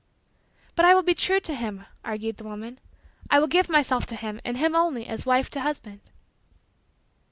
"But I will be true to him," argued the woman. "I will give myself to him and to him only as wife to husband."